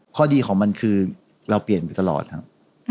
ข้อดีของมันคือเราเปลี่ยนไปตลอดครับ